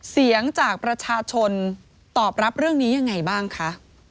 เสียงจากประชาชนตอบรับเรื่องนี้ยังไงบ้างคะ